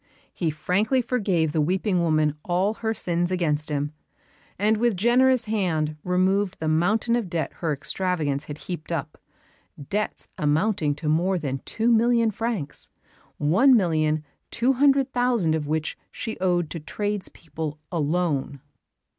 He frankly forgave the weeping woman all her sins against him; and with generous hand removed the mountain of debt her extravagance had heaped up debts amounting to more than two million francs, one million two hundred thousand of which she owed to tradespeople alone.